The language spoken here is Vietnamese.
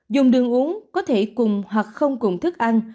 dùng đường uống có thể cùng hoặc không cùng thức ăn